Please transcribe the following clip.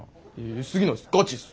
過ぎないっすガチっす。